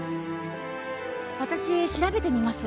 私調べてみます。